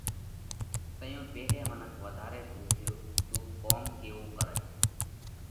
تئيون پيرهين منک وڌارئہ پُونسيو: تُون ڪوم ڪيوو ڪرئه؟